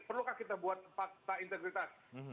perlukah kita buat fakta integritas